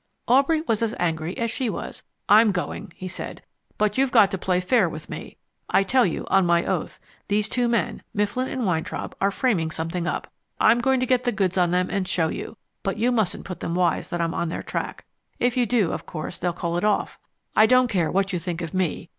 Aubrey was as angry as she was. "I'm going," he said. "But you've got to play fair with me. I tell you on my oath, these two men, Mifflin and Weintraub, are framing something up. I'm going to get the goods on them and show you. But you mustn't put them wise that I'm on their track. If you do, of course, they'll call it off. I don't care what you think of me.